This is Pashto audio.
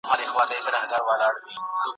دولت باید د تولید کچه لوړه کړي.